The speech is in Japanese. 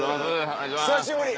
久しぶり！